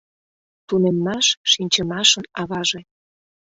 Тунеммаш — шинчымашын аваже.